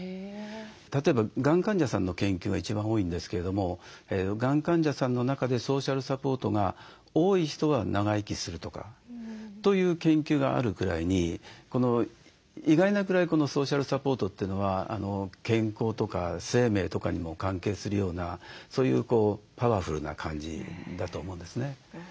例えばがん患者さんの研究が一番多いんですけれどもがん患者さんの中でソーシャルサポートが多い人は長生きするとかという研究があるぐらいに意外なぐらいこのソーシャルサポートというのは健康とか生命とかにも関係するようなそういうパワフルな感じだと思うんですね。